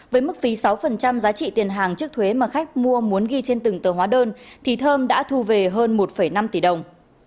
với mức phí sáu giá trị tiền hàng trước thuế mà khách mua muốn ghi trên từng tờ hóa đơn thì thơm đã thu về hơn một năm tỷ đồng